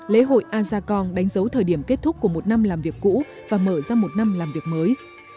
lễ hội a gia cong đánh dấu thời điểm kết thúc của một năm làm việc cũ và mở ra một năm làm việc mới